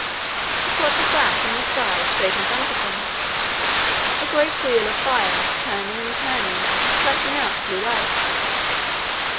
But what was that in the sky, straight in front of him? A great wheel of fire, turning and turning, and flashing out blue lights!